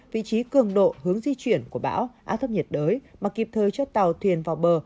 vị trí cường độ hướng di chuyển của bão áp thấp nhiệt đới mà kịp thời cho tàu thuyền vào bờ